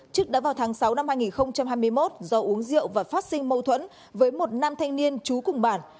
trước đó vào tháng sáu năm hai nghìn hai mươi một do uống rượu và phát sinh mâu thuẫn với một nam thanh niên trú cùng bản